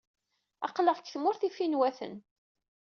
Aql-aɣ deg Tmurt n Yifinwaten.